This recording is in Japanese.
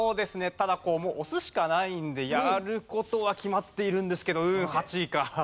ただもう押すしかないのでやる事は決まっているんですけどうーん８位か。